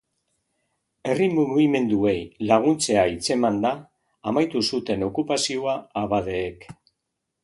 Herri mugimenduei laguntzea hitzemanda amaitu zuten okupazioa abadeek.